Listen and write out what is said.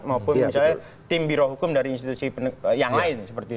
maupun misalnya tim biro hukum dari institusi yang lain